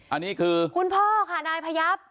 อันนี้คือคุณพ่อค่ะนายพยับ